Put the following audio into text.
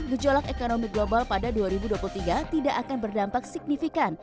gejolak ekonomi global pada dua ribu dua puluh tiga tidak akan berdampak signifikan